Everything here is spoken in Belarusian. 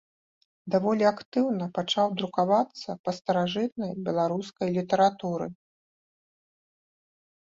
Даволі актыўна пачаў друкавацца па старажытнай беларускай літаратуры.